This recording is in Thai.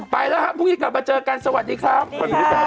ไปแล้วครับพวกนี้กลับมาเจอกันสวัสดีครับ